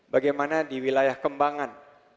bagaimana di wilayah kembangan